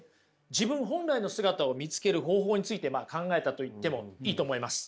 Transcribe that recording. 自分本来の姿を見つける方法について考えたと言ってもいいと思います。